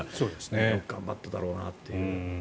よく頑張っただろうなって。